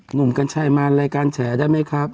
หนุ่มกัญชัยมารายการแฉได้ไหมครับ